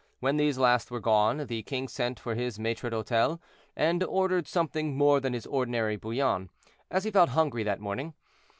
When these last were gone, the king sent for his maitre d'hotel, and ordered something more than his ordinary bouillon, as he felt hungry that morning.